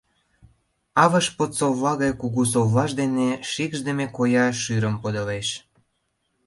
Авыш под совла гай кугу совлаж дене шикшдыме коя шӱрым подылеш.